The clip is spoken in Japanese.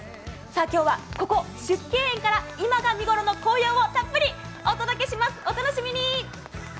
今日はここ、縮景園から今が見ごろの紅葉をたっぷりお届けします、お楽しみに。